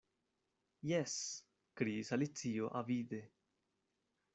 "Jes," kriis Alicio avide.